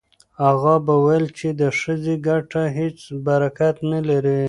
اغا به ویل چې د ښځې ګټه هیڅ برکت نه لري.